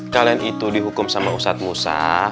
kalian itu dihukum sama ustadz musa